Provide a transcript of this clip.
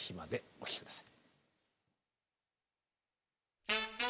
お聴き下さい。